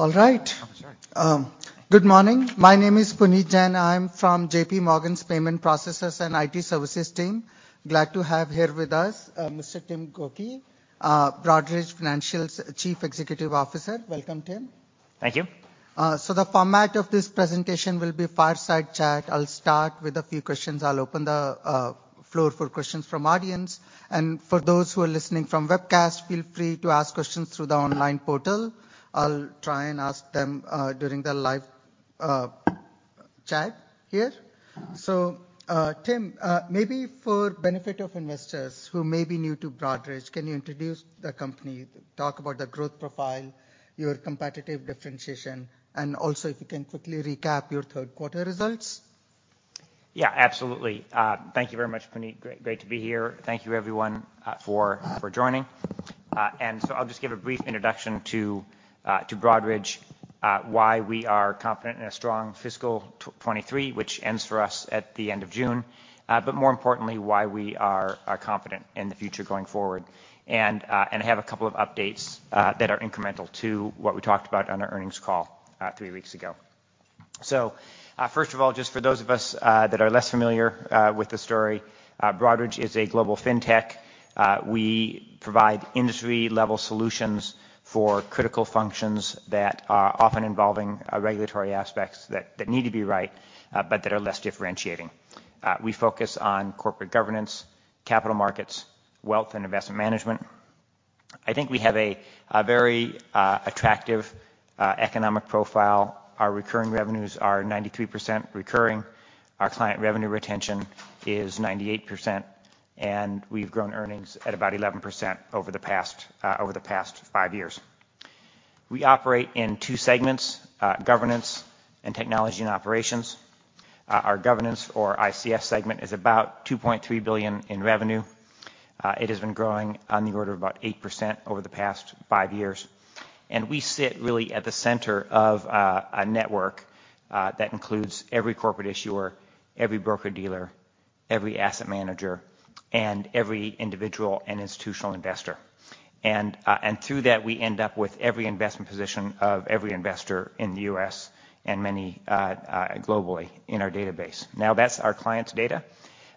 All right. Good morning. My name is Puneet Jain. I'm from J.P. Morgan's Payment Processors and IT Services team. Glad to have here with us, Mr. Tim Gokey, Broadridge Financial's Chief Executive Officer. Welcome, Tim. Thank you. The format of this presentation will be fireside chat. I'll start with a few questions. I'll open the floor for questions from audience. For those who are listening from webcast, feel free to ask questions through the online portal. I'll try and ask them during the live chat here. Tim, maybe for benefit of investors who may be new to Broadridge, can you introduce the company, talk about the growth profile, your competitive differentiation, and also if you can quickly recap your third quarter results? Yeah, absolutely. Thank you very much, Puneet. Great to be here. Thank you, everyone, for joining. I'll just give a brief introduction to Broadridge, why we are confident in a strong fiscal 2023, which ends for us at the end of June. More importantly, why we are confident in the future going forward. I have a couple of updates that are incremental to what we talked about on our earnings call three weeks ago. First of all, just for those of us that are less familiar with the story, Broadridge is a global fintech. We provide industry-level solutions for critical functions that are often involving regulatory aspects that need to be right, but that are less differentiating. We focus on corporate governance, capital markets, wealth and investment management. I think we have a very attractive economic profile. Our recurring revenues are 93% recurring. Our client revenue retention is 98%, and we've grown earnings at about 11% over the past over the past five years. We operate in two segments, governance and technology and operations. Our governance or ICS segment is about $2.3 billion in revenue. It has been growing on the order of about 8% over the past five years. We sit really at the center of a network that includes every corporate issuer, every broker-dealer, every asset manager, and every individual and institutional investor. Through that, we end up with every investment position of every investor in the U.S. and many globally in our database. Now, that's our clients' data,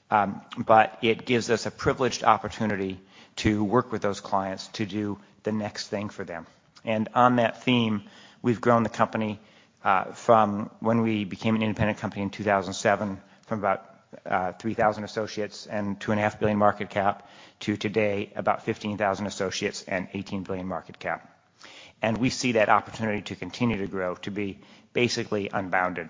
but it gives us a privileged opportunity to work with those clients to do the next thing for them. On that theme, we've grown the company from when we became an independent company in 2007 from about 3,000 associates and $2.5 billion market cap to today about 15,000 associates and $18 billion market cap. We see that opportunity to continue to grow to be basically unbounded.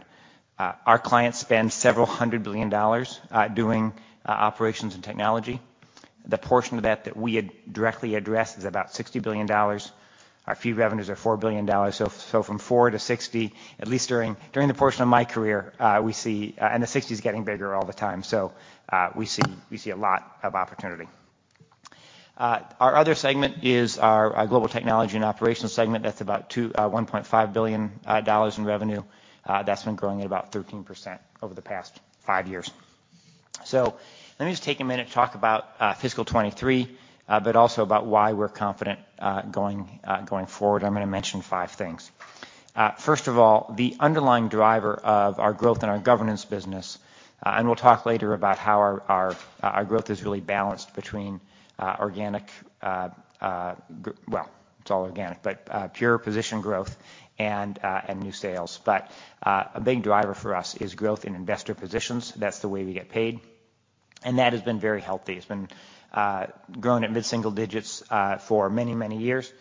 Our clients spend several hundred billion dollars doing operations and technology. The portion of that that we directly address is about $60 billion. Our fee revenues are $4 billion. From $4 billion to $60 billion, at least during the portion of my career, we see. And the $60 billion is getting bigger all the time. We see a lot of opportunity. Our other segment is our global technology and operations segment. That's about $1.5 billion in revenue. That's been growing at about 13% over the past five years. Let me just take a minute to talk about fiscal 2023, but also about why we're confident going forward. I'm gonna mention five things. First of all, the underlying driver of our growth in our governance business, and we'll talk later about how our growth is really balanced between organic. It's all organic, pure position growth and new sales. A big driver for us is growth in investor positions. That's the way we get paid, and that has been very healthy. It's been growing at mid-single digits for many, many years.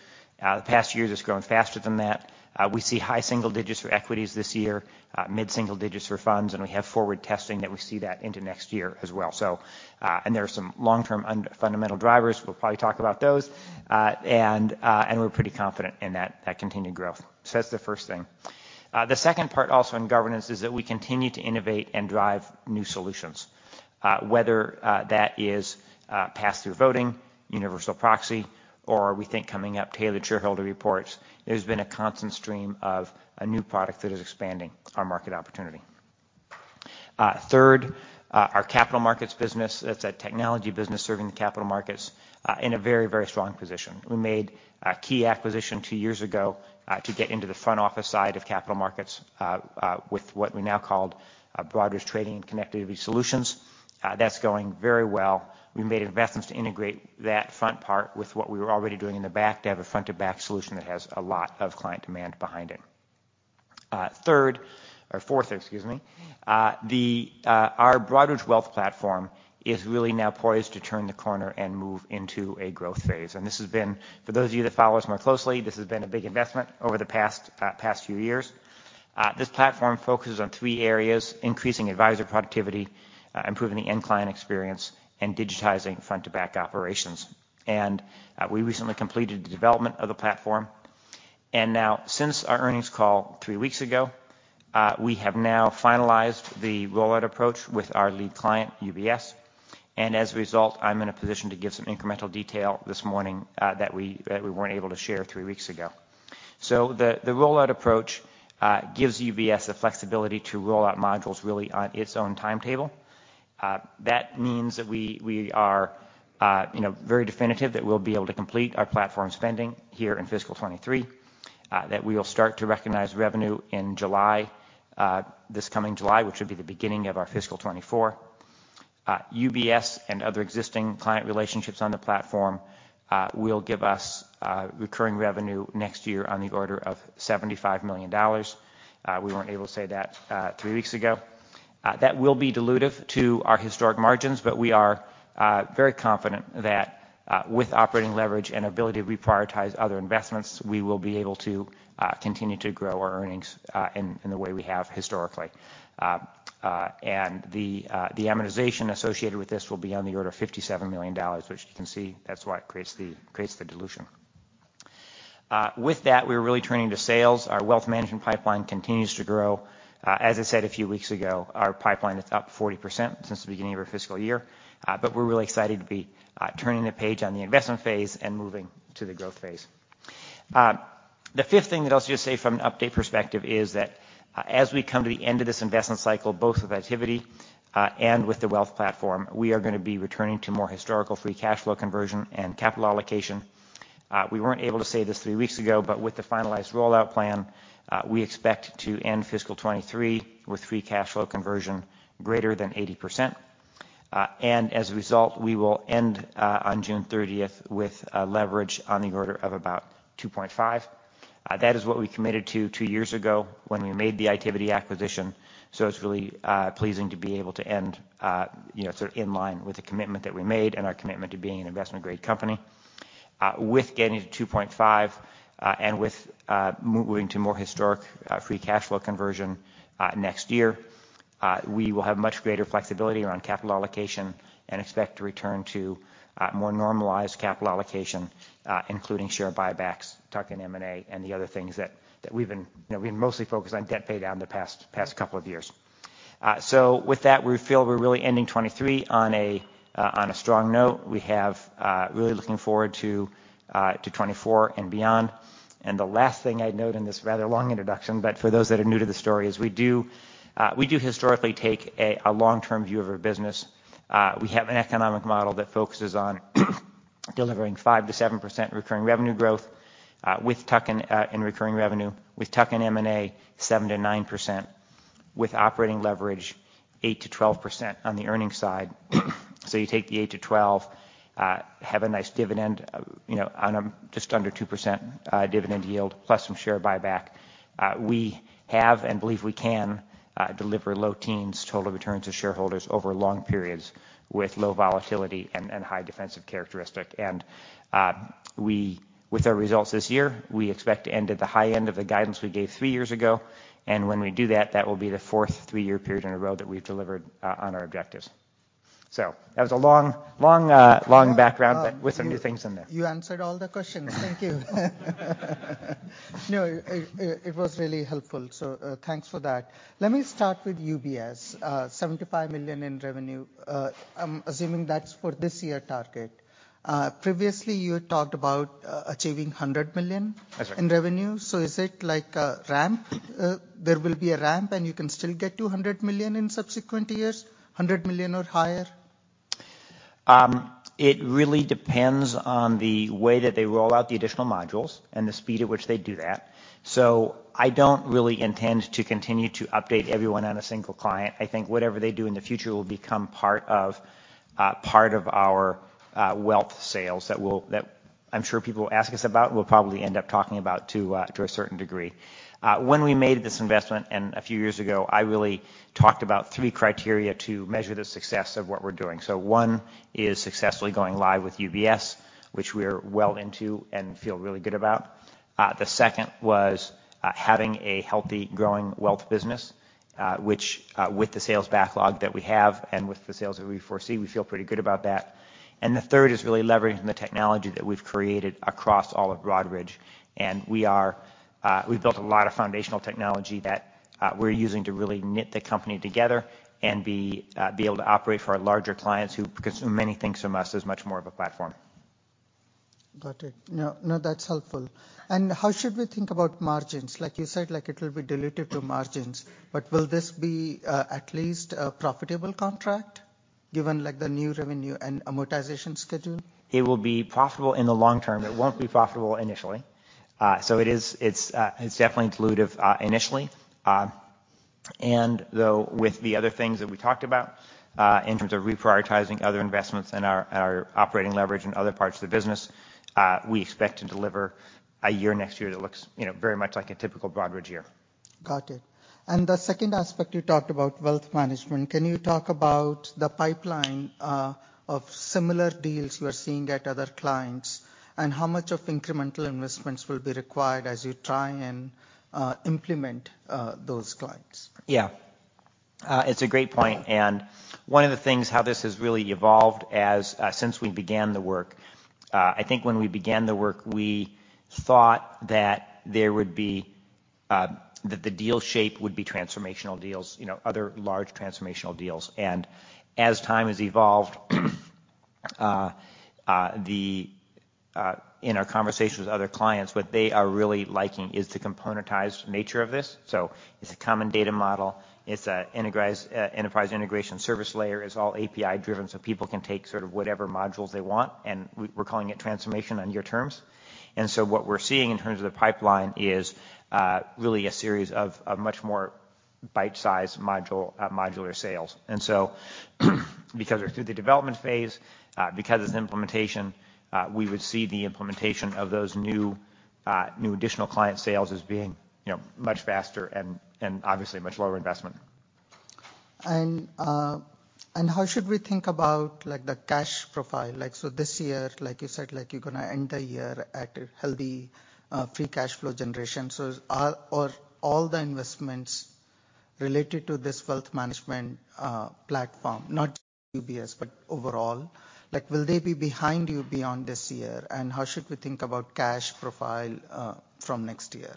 The past year it's grown faster than that. We see high-single digits for equities this year, mid-single digits for funds, and we have forward testing that we see that into next year as well. There are some long-term unfundamental drivers. We'll probably talk about those. We're pretty confident in that continued growth. That's the first thing. The second part also in governance is that we continue to innovate and drive new solutions. Whether that is pass-through voting, universal proxy, or we think coming up, tailored shareholder reports, there's been a constant stream of a new product that is expanding our market opportunity. Third, our capital markets business. That's a technology business serving the capital markets in a very, very strong position. We made a key acquisition two years ago to get into the front office side of capital markets with what we now called Broadridge Trading and Connectivity Solutions. That's going very well. We made investments to integrate that front part with what we were already doing in the back to have a front-to-back solution that has a lot of client demand behind it. Fourth, excuse me. Our Broadridge Wealth Platform is really now poised to turn the corner and move into a growth phase. This has been, for those of you that follow us more closely, this has been a big investment over the past few years. This platform focuses on three areas: increasing advisor productivity, improving the end client experience, and digitizing front-to-back operations. We recently completed the development of the platform. Now since our earnings call three weeks ago, we have now finalized the rollout approach with our lead client, UBS. As a result, I'm in a position to give some incremental detail this morning, that we weren't able to share three weeks ago. The, the rollout approach gives UBS the flexibility to roll out modules really on its own timetable. That means that we are, you know, very definitive that we'll be able to complete our platform spending here in fiscal 2023, that we will start to recognize revenue in July, this coming July, which will be the beginning of our fiscal 2024. UBS and other existing client relationships on the platform will give us recurring revenue next year on the order of $75 million. We weren't able to say that three weeks ago. That will be dilutive to our historic margins, but we are very confident that with operating leverage and ability to reprioritize other investments, we will be able to continue to grow our earnings in the way we have historically. The amortization associated with this will be on the order of $57 million, which you can see that's what creates the dilution. With that, we're really turning to sales. Our wealth management pipeline continues to grow. As I said a few weeks ago, our pipeline is up 40% since the beginning of our fiscal year, but we're really excited to be turning the page on the investment phase and moving to the growth phase. The fifth thing that I'll just say from an update perspective is that, as we come to the end of this investment cycle, both with Itiviti, and with the Wealth Platform, we are gonna be returning to more historical free cash flow conversion and capital allocation. We weren't able to say this three weeks ago, with the finalized rollout plan, we expect to end fiscal 2023 with free cash flow conversion greater than 80%. As a result, we will end on June 30th with leverage on the order of about 2.5. That is what we committed to two years ago when we made the Itiviti acquisition, it's really pleasing to be able to end, you know, sort of in line with the commitment that we made and our commitment to being an investment-grade company. With getting to 2.5, and with moving to more historic free cash flow conversion next year, we will have much greater flexibility around capital allocation and expect to return to more normalized capital allocation, including share buybacks, tuck-in M&A, and the other things that we've been, you know, we've mostly focused on debt pay down the past couple of years. With that, we feel we're really ending 2023 on a strong note. We have really looking forward to 2024 and beyond. The last thing I'd note in this rather long introduction, but for those that are new to the story, is we do historically take a long-term view of our business. We have an economic model that focuses on delivering 5%-7% recurring revenue growth, with tuck-in in recurring revenue, with tuck-in M&A, 7%-9%, with operating leverage, 8%-12% on the earnings side. You take the 8%-12%, have a nice dividend, you know, on a just under 2% dividend yield, plus some share buyback. We have and believe we can deliver low teens total returns to shareholders over long periods with low volatility and high defensive characteristic. With our results this year, we expect to end at the high end of the guidance we gave three years ago. When we do that will be the fourth three-year period in a row that we've delivered on our objectives. That was a long background. With some new things in there. You answered all the questions. Thank you. No, it was really helpful, so thanks for that. Let me start with UBS. $75 million in revenue. I'm assuming that's for this year target. Previously, you had talked about achieving $100 million. That's right. In revenue. Is it like a ramp? There will be a ramp, you can still get to $100 million in subsequent years, $100 million or higher? It really depends on the way that they roll out the additional modules and the speed at which they do that. I don't really intend to continue to update everyone on a single client. I think whatever they do in the future will become part of part of our wealth sales that we'll, that I'm sure people will ask us about and we'll probably end up talking about to a certain degree. When we made this investment and a few years ago, I really talked about three criteria to measure the success of what we're doing. One is successfully going live with UBS, which we're well into and feel really good about. The second was having a healthy growing wealth business, which with the sales backlog that we have and with the sales that we foresee, we feel pretty good about that. The third is really leveraging the technology that we've created across all of Broadridge, and we are, we've built a lot of foundational technology that we're using to really knit the company together and be able to operate for our larger clients who consume many things from us as much more of a platform. Got it. No, no, that's helpful. How should we think about margins? Like, you said, like, it'll be dilutive to margins, but will this be at least a profitable contract given, like, the new revenue and amortization schedule? It will be profitable in the long term. It won't be profitable initially. It is, it's definitely dilutive initially. Though with the other things that we talked about, in terms of reprioritizing other investments and our operating leverage in other parts of the business, we expect to deliver a year next year that looks, you know, very much like a typical Broadridge year. Got it. The second aspect, you talked about wealth management. Can you talk about the pipeline of similar deals you are seeing at other clients, and how much of incremental investments will be required as you try and implement those clients? It's a great point. One of the things, how this has really evolved as since we began the work, I think when we began the work, we thought that there would be that the deal shape would be transformational deals, you know, other large transformational deals. As time has evolved in our conversations with other clients, what they are really liking is the componentized nature of this. So it's a common data model. It's a enterprise integration service layer. It's all API-driven, so people can take sort of whatever modules they want and we're calling it Transformation on Your Terms. What we're seeing in terms of the pipeline is really a series of much more bite-sized module, modular sales. Because we're through the development phase, because it's implementation, we would see the implementation of those new additional client sales as being, you know, much faster and obviously much lower investment. How should we think about like the cash profile? This year, like you said, like you're gonna end the year at a healthy free cash flow generation. Are all the investments related to this wealth management platform, not just UBS, but overall, like, will they be behind you beyond this year? How should we think about cash profile from next year?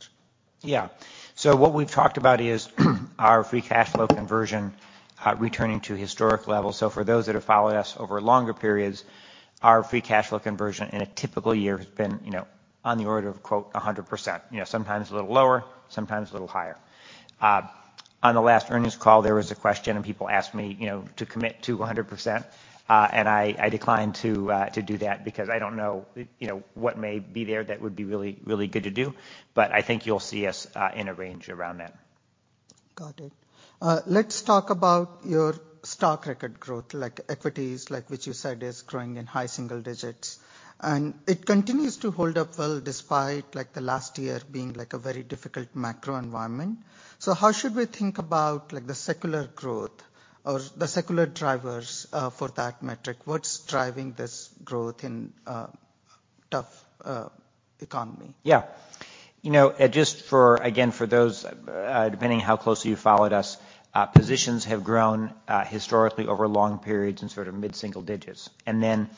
Yeah. What we've talked about is our free cash flow conversion returning to historic levels. For those that have followed us over longer periods, our free cash flow conversion in a typical year has been, you know, on the order of, quote, 100%. You know, sometimes a little lower, sometimes a little higher. On the last earnings call, there was a question and people asked me, you know, to commit to 100%, and I declined to do that because I don't know, you know, what may be there that would be really, really good to do. I think you'll see us in a range around that. Got it. Let's talk about your stock record growth, like equities, like, which you said is growing in high single digits, and it continues to hold up well despite like the last year being like a very difficult macro environment. How should we think about like the secular growth or the secular drivers for that metric? What's driving this growth in a tough economy? Yeah. You know, just for, again, for those, depending how closely you followed us, positions have grown, historically over long periods in sort of mid-single digits. In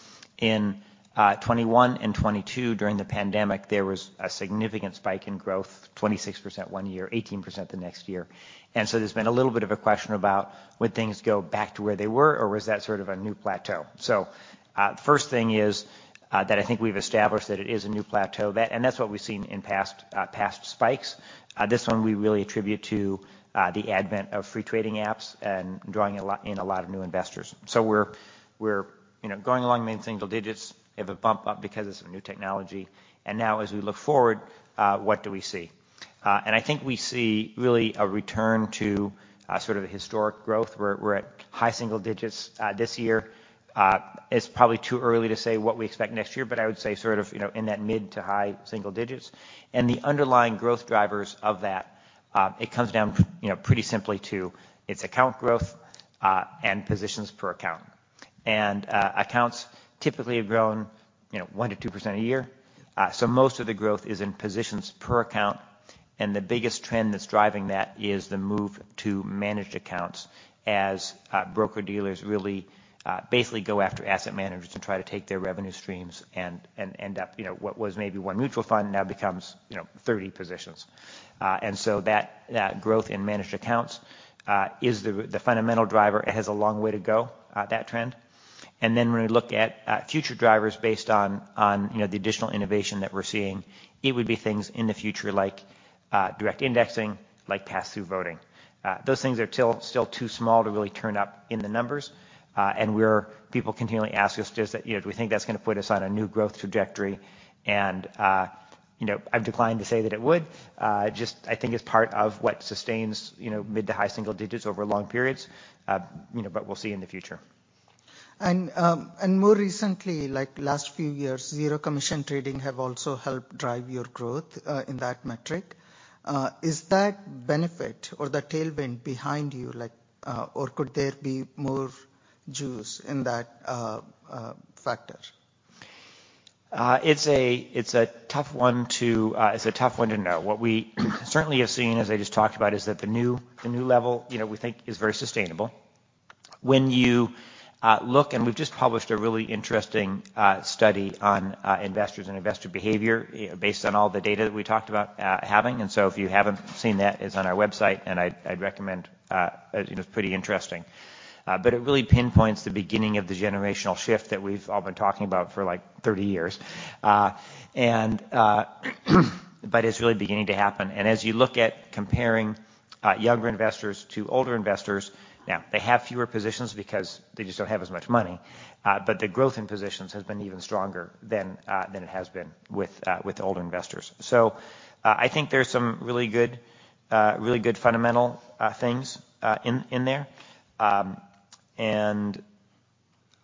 2021 and 2022, during the pandemic, there was a significant spike in growth, 26% one year, 18% the next year. There's been a little bit of a question about would things go back to where they were or was that sort of a new plateau? First thing is, that I think we've established that it is a new plateau. That's what we've seen in past spikes. This one we really attribute to, the advent of free trading apps and drawing in a lot of new investors. We're, we're, you know, going along mid-single digits. We have a bump up because of some new technology. Now as we look forward, what do we see? I think we see really a return to, sort of a historic growth. We're at high single digits, this year. It's probably too early to say what we expect next year, but I would say sort of, you know, in that mid to high single digits. The underlying growth drivers of that, it comes down, you know, pretty simply to its account growth, and positions per account. Accounts typically have grown, you know, 1%-2% a year, so most of the growth is in positions per account, and the biggest trend that's driving that is the move to managed accounts as broker-dealers really basically go after asset managers to try to take their revenue streams and end up, you know, what was maybe one mutual fund now becomes, you know, 30 positions. So that growth in managed accounts is the fundamental driver. It has a long way to go, that trend. Then when we look at future drivers based on, you know, the additional innovation that we're seeing, it would be things in the future like direct indexing, like pass-through voting. Those things are still too small to really turn up in the numbers. People continually ask us just, you know, do we think that's gonna put us on a new growth trajectory? You know, I've declined to say that it would. Just I think it's part of what sustains, you know, mid to high single digits over long periods. You know, we'll see in the future. More recently, like last few years, zero commission trading have also helped drive your growth in that metric. Is that benefit or the tailwind behind you, like, or could there be more juice in that factor? It's a tough one to know. What we certainly have seen, as I just talked about, is that the new level, you know, we think is very sustainable. When you look, and we've just published a really interesting study on investors and investor behavior based on all the data that we talked about having. If you haven't seen that, it's on our website, I'd recommend. You know, it's pretty interesting. It really pinpoints the beginning of the generational shift that we've all been talking about for, like, 30 years. It's really beginning to happen. As you look at comparing younger investors to older investors, now they have fewer positions because they just don't have as much money, but the growth in positions has been even stronger than it has been with older investors. I think there's some really good, really good fundamental things in there.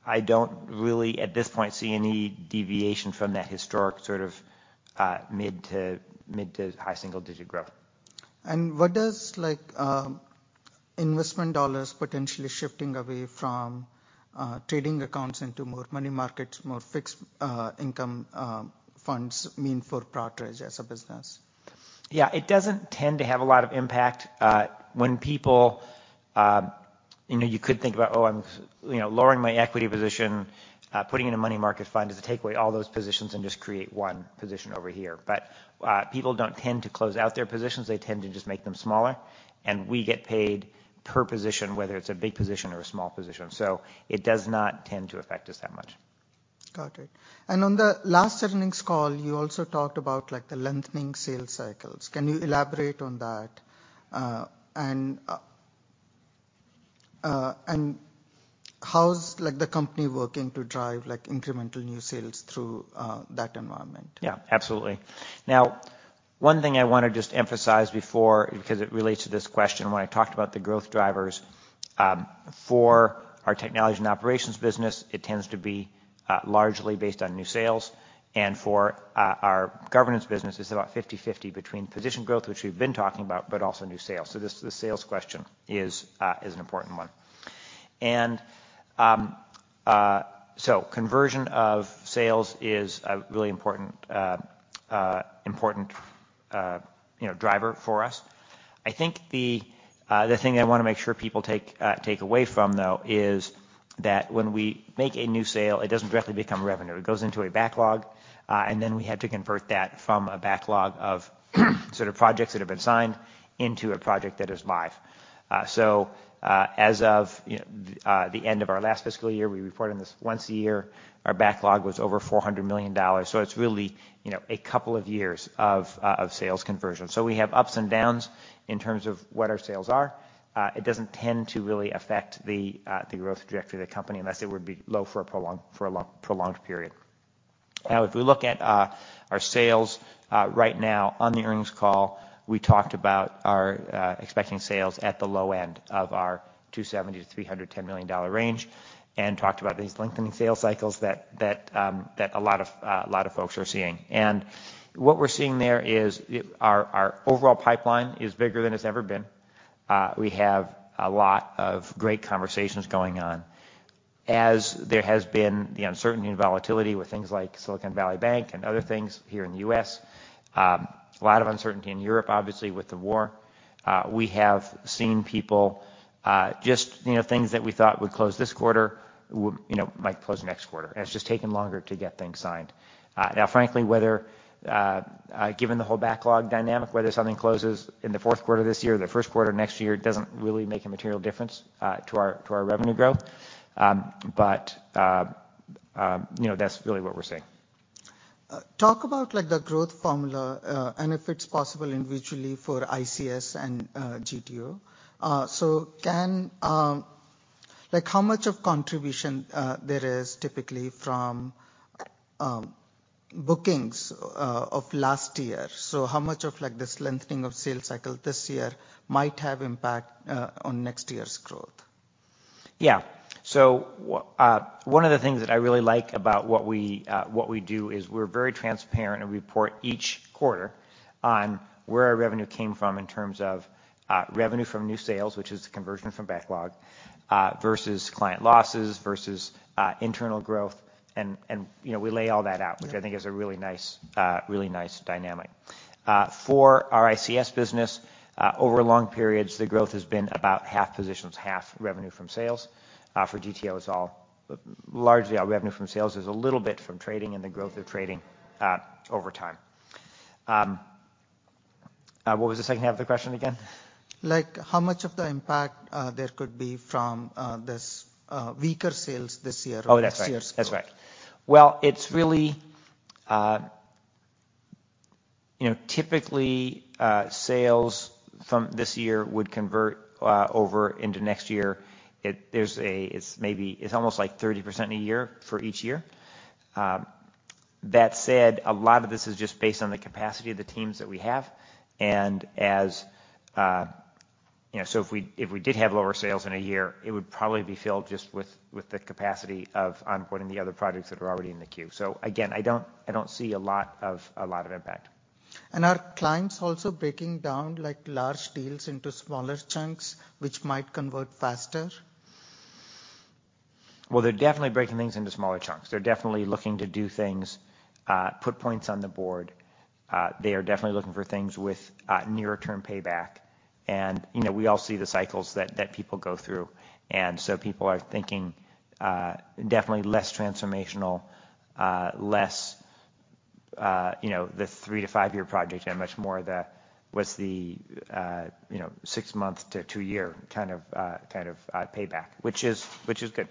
I don't really at this point see any deviation from that historic sort of mid to high single-digit growth. What does, like, investment dollars potentially shifting away from trading accounts into more money markets, more fixed income funds mean for Broadridge as a business? Yeah. It doesn't tend to have a lot of impact. When people, you know, you could think about, "Oh, I'm, you know, lowering my equity position, putting in a money market fund," does it take away all those positions and just create one position over here. People don't tend to close out their positions. They tend to just make them smaller, and we get paid per position, whether it's a big position or a small position. It does not tend to affect us that much. Got it. On the last earnings call, you also talked about like the lengthening sales cycles. Can you elaborate on that? How's like the company working to drive like incremental new sales through that environment? Yeah, absolutely. Now, one thing I wanna just emphasize before, because it relates to this question, when I talked about the growth drivers for our technology and operations business, it tends to be largely based on new sales. For our governance business, it's about 50/50 between position growth, which we've been talking about, but also new sales. The sales question is an important one. So conversion of sales is a really important, you know, driver for us. I think the thing I wanna make sure people take away from though is that when we make a new sale, it doesn't directly become revenue. It goes into a backlog, and then we have to convert that from a backlog of sort of projects that have been signed into a project that is live. As of the end of our last fiscal year, we report on this once a year, our backlog was over $400 million. It's really, you know, a couple of years of sales conversion. We have ups and downs in terms of what our sales are. It doesn't tend to really affect the growth trajectory of the company unless it would be low for a prolonged period. If we look at our sales right now on the earnings call, we talked about our expecting sales at the low end of our $270 million-$310 million range, and talked about these lengthening sales cycles that a lot of folks are seeing. What we're seeing there is our overall pipeline is bigger than it's ever been. We have a lot of great conversations going on. As there has been the uncertainty and volatility with things like Silicon Valley Bank and other things here in the U.S., a lot of uncertainty in Europe, obviously with the war, we have seen people just, you know, things that we thought would close this quarter would, you know, might close next quarter. It's just taken longer to get things signed. Now frankly, whether, given the whole backlog dynamic, whether something closes in the fourth quarter this year or the first quarter next year doesn't really make a material difference, to our, to our revenue growth. You know, that's really what we're seeing. Talk about like the growth formula and if it's possible individually for ICS and GTO. Can... Like, how much of contribution there is typically from bookings of last year? How much of like this lengthening of sales cycle this year might have impact on next year's growth? Yeah. One of the things that I really like about what we do is we're very transparent and report each quarter on where our revenue came from in terms of revenue from new sales, which is the conversion from backlog versus client losses versus internal growth. You know, we lay all that out. Mm-hmm. Which I think is a really nice, really nice dynamic. For our ICS business, over long periods, the growth has been about half positions, half revenue from sales. For GTO, it's largely all revenue from sales. There's a little bit from trading and the growth of trading, over time. What was the second half of the question again? Like how much of the impact, there could be from, this, weaker sales this year... Oh, that's right. This year's growth. That's right. Well, it's really, you know, typically, sales from this year would convert over into next year. It's almost like 30% a year for each year. That said, a lot of this is just based on the capacity of the teams that we have. You know, so if we did have lower sales in a year, it would probably be filled just with the capacity of onboarding the other projects that are already in the queue. Again, I don't see a lot of impact. Are clients also breaking down like large deals into smaller chunks which might convert faster? Well, they're definitely breaking things into smaller chunks. They're definitely looking to do things, put points on the board. They are definitely looking for things with nearer term payback. You know, we all see the cycles that people go through, and so people are thinking, definitely less transformational, less, you know, the three to five year project and much more the, what's the, you know, six month to two year kind of, kind of, payback, which is good.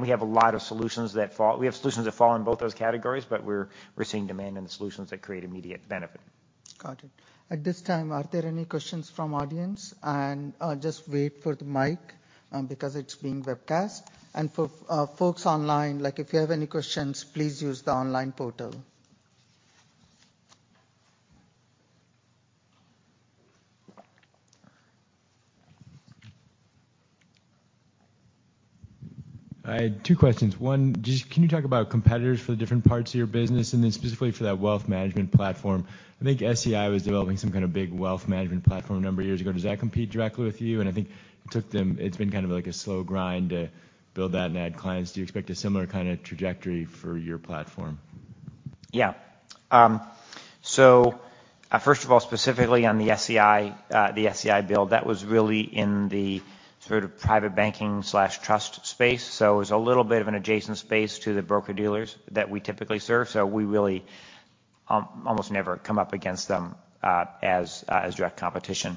We have a lot of solutions. We have solutions that fall in both those categories, but we're seeing demand in the solutions that create immediate benefit. Got it. At this time, are there any questions from audience? Just wait for the mic, because it's being webcast. For folks online, like, if you have any questions, please use the online portal. I had two questions. One, just can you talk about competitors for the different parts of your business? Specifically for that wealth management platform, I think SEI was developing some kind of big wealth management platform a number of years ago. Does that compete directly with you? It's been kind of like a slow grind to build that and add clients. Do you expect a similar kind of trajectory for your platform? Yeah. Um, so, uh, first of all, specifically on the SEI, uh, the SEI build, that was really in the sort of private banking/trust space. So it was a little bit of an adjacent space to the broker-dealers that we typically serve. So we really, um, almost never come up against them, uh, as, uh, as direct competition.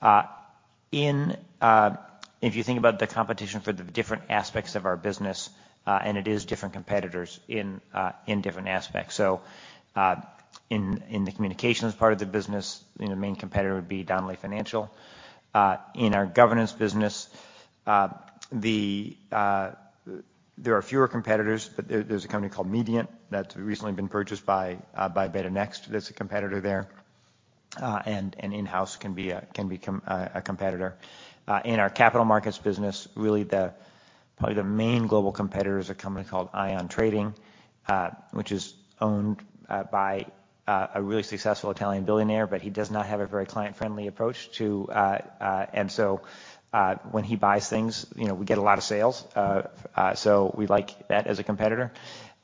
Uh-In, uh, if you think about the competition for the different aspects of our business, uh, and it is different competitors in, uh, in different aspects. So, uh, in, in the communications part of the business, you know, the main competitor would be Donnelley Financial. Uh, in our governance business, uh, the, uh, there are fewer competitors, but there, there's a company called Mediant that's recently been purchased by, uh, by BetaNXT, that's a competitor there. Uh, and, and in-house can be a, can become a, a competitor. In our capital markets business, really the, probably the main global competitor is a company called ION Trading, which is owned by a really successful Italian billionaire, but he does not have a very client-friendly approach to. When he buys things, you know, we get a lot of sales. We like that as a competitor.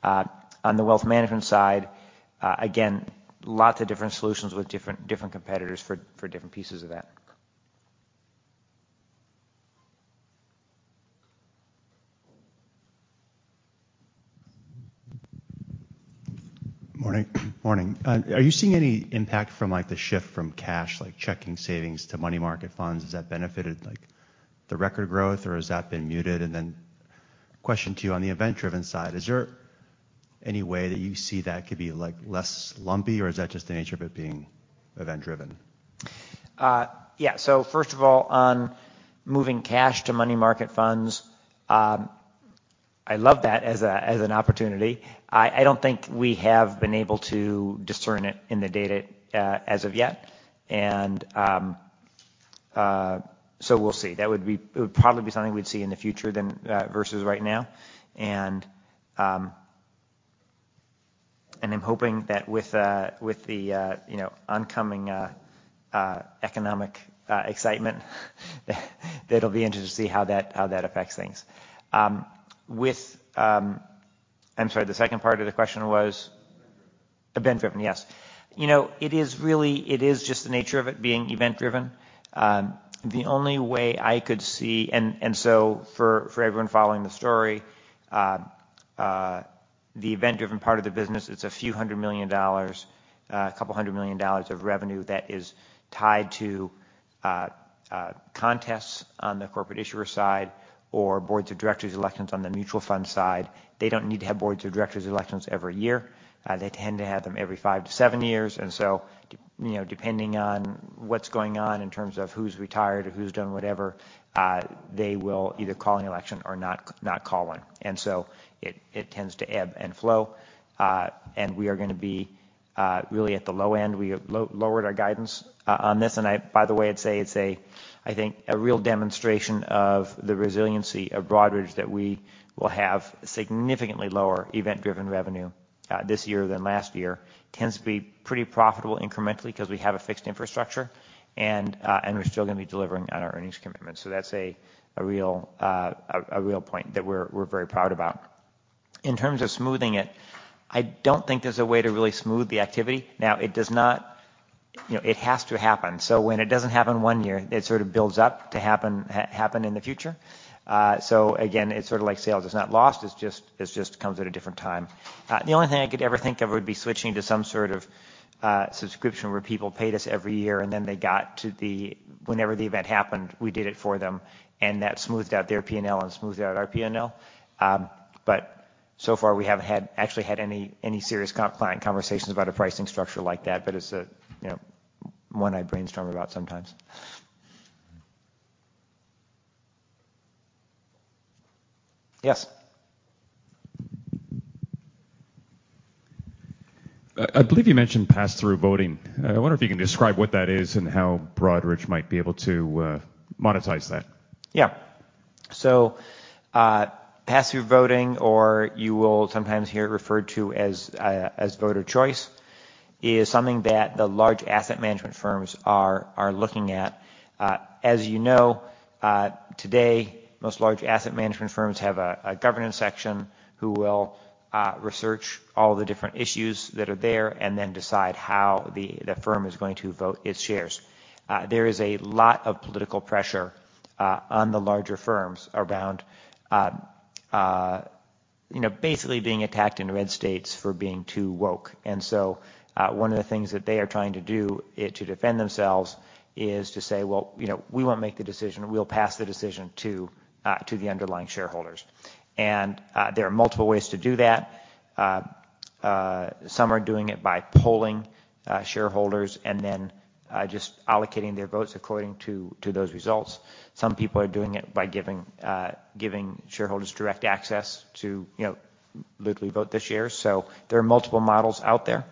On the wealth management side, again, lots of different solutions with different competitors for different pieces of that. Morning. Morning. Are you seeing any impact from, like, the shift from cash, like checking savings to money market funds? Has that benefited, like, the record growth, or has that been muted? Question to you on the event-driven side, is there any way that you see that could be, like, less lumpy, or is that just the nature of it being event-driven? Yeah. First of all, on moving cash to money market funds, I love that as an opportunity. I don't think we have been able to discern it in the data as of yet. We'll see. It would probably be something we'd see in the future than versus right now. I'm hoping that with the, you know, oncoming economic excitement, that'll be interesting to see how that affects things. With... I'm sorry, the second part of the question was? Event-driven. Event-driven, yes. You know, it is really, it is just the nature of it being event-driven. The only way I could see. For everyone following the story, the event-driven part of the business, it's a few $100 million, a couple $100 million of revenue that is tied to contests on the corporate issuer side or boards of directors elections on the mutual fund side. They don't need to have boards of directors elections every year. They tend to have them everyfive to seven years. You know, depending on what's going on in terms of who's retired or who's done whatever, they will either call an election or not call one. It tends to ebb and flow. We are gonna be really at the low end. We have lowered our guidance on this. By the way, I'd say it's a, I think, a real demonstration of the resiliency of Broadridge that we will have significantly lower event-driven revenue this year than last year. Tends to be pretty profitable incrementally because we have a fixed infrastructure, and we're still gonna be delivering on our earnings commitments. That's a real point that we're very proud about. In terms of smoothing it, I don't think there's a way to really smooth the activity. You know, it has to happen. When it doesn't happen one year, it sort of builds up to happen in the future. Again, it's sort of like sales. It's not lost, it just comes at a different time. The only thing I could ever think of would be switching to some sort of subscription where people paid us every year, and then they got to the. Whenever the event happened, we did it for them, and that smoothed out their P&L and smoothed out our P&L. So far, we haven't actually had any serious client conversations about a pricing structure like that, but it's a, you know, one I brainstorm about sometimes. Yes. I believe you mentioned pass-through voting. I wonder if you can describe what that is and how Broadridge might be able to monetize that. Pass-through voting, or you will sometimes hear it referred to as voter choice, is something that the large asset management firms are looking at. As you know, today, most large asset management firms have a governance section who will research all the different issues that are there and then decide how the firm is going to vote its shares. There is a lot of political pressure on the larger firms around, you know, basically being attacked in red states for being too woke. One of the things that they are trying to do to defend themselves is to say, "Well, you know, we won't make the decision. We'll pass the decision to the underlying shareholders." There are multiple ways to do that. Some are doing it by polling shareholders and then just allocating their votes according to those results. Some people are doing it by giving shareholders direct access to, you know, literally vote the shares. There are multiple models out there.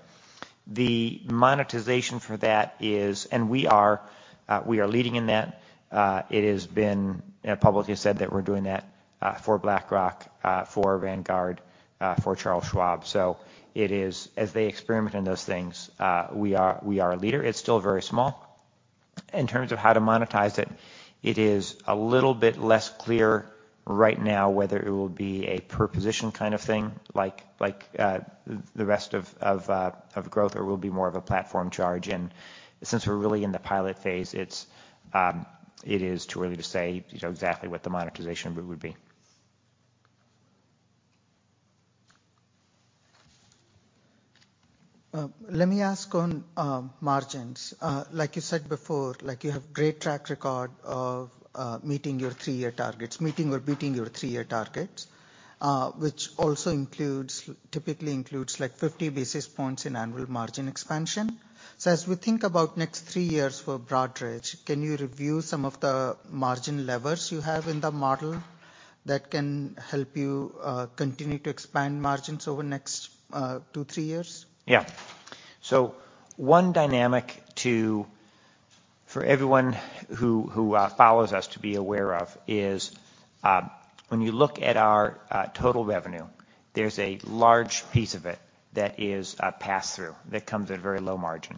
The monetization for that is-- We are leading in that. It has been publicly said that we're doing that for BlackRock, for Vanguard, for Charles Schwab. It is... As they experiment in those things, we are a leader. It's still very small. In terms of how to monetize it is a little bit less clear right now whether it will be a per position kind of thing like the rest of growth or will be more of a platform charge. Since we're really in the pilot phase, it is too early to say, you know, exactly what the monetization route would be. Let me ask on margins. Like you said before, like, you have great track record of meeting your three-year targets. Meeting or beating your three-year targets, which also typically includes like 50 basis points in annual margin expansion. As we think about next three years for Broadridge, can you review some of the margin levers you have in the model that can help you continue to expand margins over the next two, three years? One dynamic for everyone who follows us to be aware of is, when you look at our total revenue, there's a large piece of it that is a pass-through that comes at a very low margin.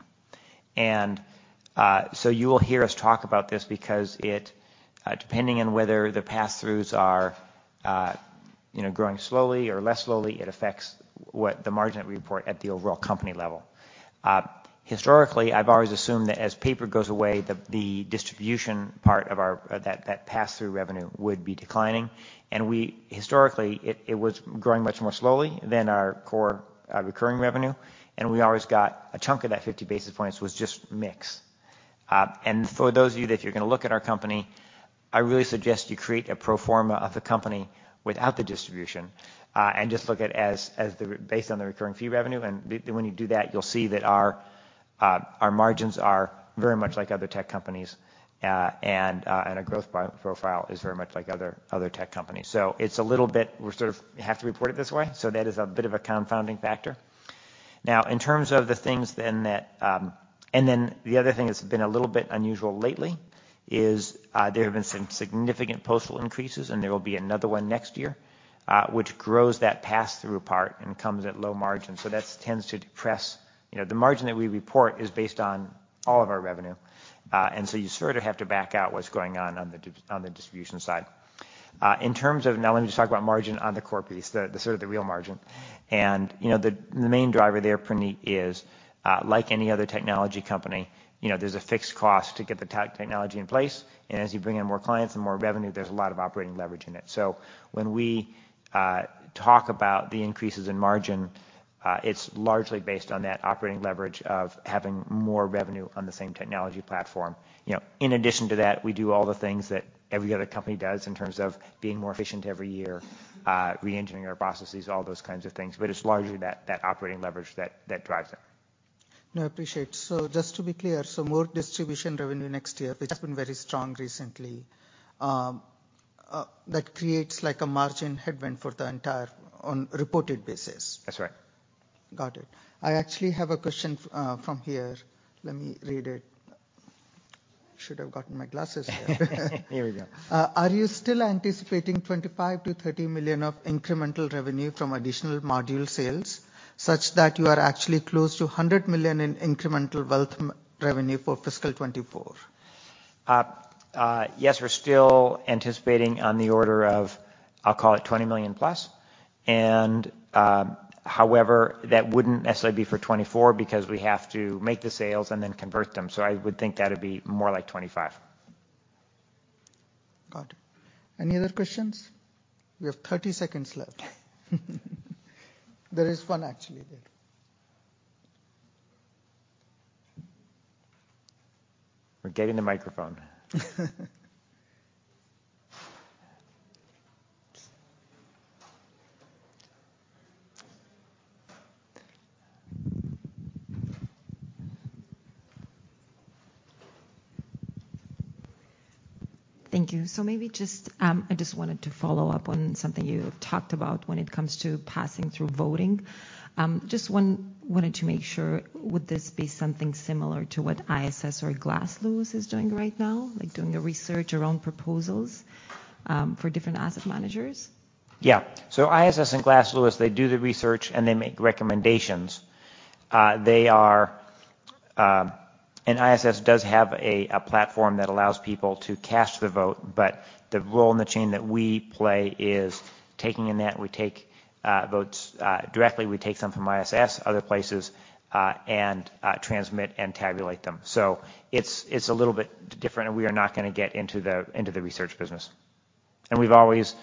You will hear us talk about this because it, depending on whether the pass-throughs are, you know, growing slowly or less slowly, it affects what the margin we report at the overall company level. Historically, I've always assumed that as paper goes away, the distribution part of our that pass-through revenue would be declining. We historically, it was growing much more slowly than our core recurring revenue, and we always got a chunk of that 50 basis points was just mix. For those of you that you're gonna look at our company, I really suggest you create a pro forma of the company without the distribution, and just look at as based on the recurring fee revenue. When you do that, you'll see that our margins are very much like other tech companies, and our growth profile is very much like other tech companies. It's a little bit... We sort of have to report it this way, so that is a bit of a confounding factor. In terms of the things then that... Then the other thing that's been a little bit unusual lately is, there have been some significant postal increases, and there will be another one next year, which grows that pass-through part and comes at low margin. That's tends to depress. You know, the margin that we report is based on all of our revenue, you sort of have to back out what's going on on the distribution side. Now let me just talk about margin on the core piece, the sort of the real margin. You know, the main driver there, Puneet, is like any other technology company, you know, there's a fixed cost to get the technology in place, and as you bring in more clients and more revenue, there's a lot of operating leverage in it. When we talk about the increases in margin, it's largely based on that operating leverage of having more revenue on the same technology platform. You know, in addition to that, we do all the things that every other company does in terms of being more efficient every year, reengineering our processes, all those kinds of things. It's largely that operating leverage that drives it. No, I appreciate. Just to be clear, so more distribution revenue next year. Yeah. Which has been very strong recently, that creates like a margin headwind for the entire on reported basis. That's right. Got it. I actually have a question from here. Let me read it. Should have gotten my glasses here. Here we go. Are you still anticipating $25 million-$30 million of incremental revenue from additional module sales, such that you are actually close to $100 million in incremental wealth revenue for fiscal 2024? Yes, we're still anticipating on the order of, I'll call it $20 million plus. However, that wouldn't necessarily be for 2024 because we have to make the sales and then convert them. I would think that'd be more like 2025. Got it. Any other questions? We have 30 seconds left. There is one actually there. We're getting the microphone. Thank you. Maybe just, I just wanted to follow up on something you talked about when it comes to pass-through voting. Just wanted to make sure, would this be something similar to what ISS or Glass Lewis is doing right now, like doing the research around proposals, for different asset managers? Yeah. ISS and Glass Lewis, they do the research, and they make recommendations. They are. ISS does have a platform that allows people to cast their vote, but the role in the chain that we play is taking in that. We take votes directly. We take some from ISS, other places, and transmit and tabulate them. It's a little bit different, and we are not gonna get into the research business. We've always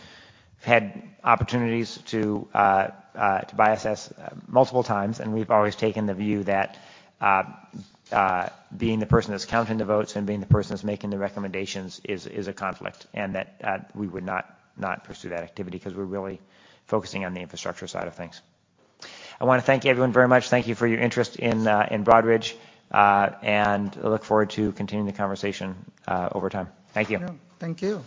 had opportunities to buy ISS multiple times, and we've always taken the view that being the person that's counting the votes and being the person that's making the recommendations is a conflict and that we would not pursue that activity because we're really focusing on the infrastructure side of things. I wanna thank you everyone very much. Thank you for your interest in Broadridge. I look forward to continuing the conversation over time. Thank you. Thank you. Thank you.